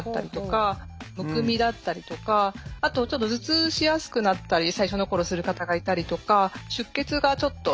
むくみだったりとかあとちょっと頭痛しやすくなったり最初の頃する方がいたりとか出血がちょっと。